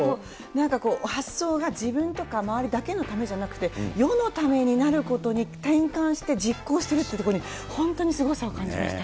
なんかこう、発想が自分だけとか、周りだけのためじゃなくて世のためになることに転換して、実行してるってところに、本当にすごさ感じました。